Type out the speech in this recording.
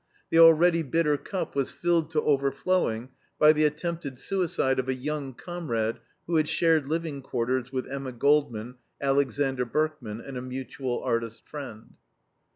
The already bitter cup was filled to overflowing by the attempted suicide of a young comrade who had shared living quarters with Emma Goldman, Alexander Berkman, and a mutual artist friend.